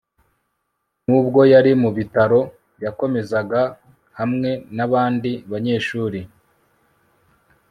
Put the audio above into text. nubwo yari mu bitaro, yakomezaga hamwe nabandi banyeshuri